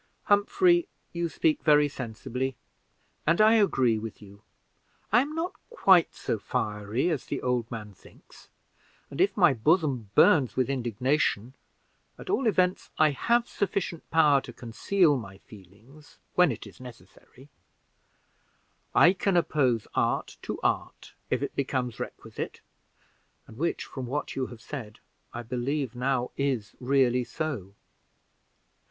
"Humphrey, you speak very sensibly, and I agree with you. I am not quite so fiery as the old man thinks; and if my bosom burns with indignation, at all events I have sufficient power to conceal my feelings when it is necessary; I can oppose art to art, if it becomes requisite, and which, from what you have said, I believe now is really so.